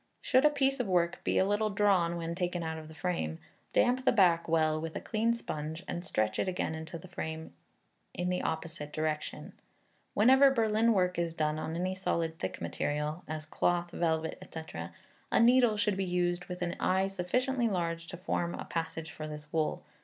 Should a piece of work be a little drawn when taken out of the frame, damp the back well with a clean sponge, and stretch it again in the frame in the opposite direction. Whenever Berlin work is done on any solid thick material, as cloth, velvet, &c., a needle should be used with an eye sufficiently large to form a passage for this wool.